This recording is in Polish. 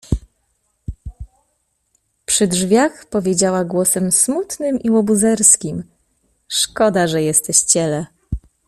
Przy drzwiach powiedziała głosem smutnym i łobuzer skim: — Szkoda, że jesteś cielę.